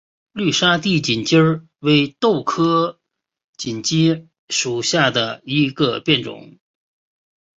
绿沙地锦鸡儿为豆科锦鸡儿属下的一个变种。